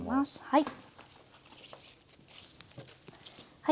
はい。